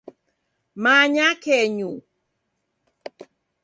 Manya kenyu